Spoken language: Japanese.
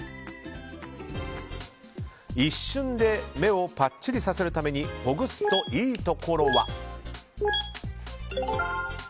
一瞬で目をパッチリさせるためにほぐすといいところは。